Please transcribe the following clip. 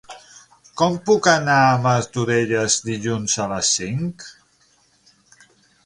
Com puc anar a Martorelles dilluns a les cinc?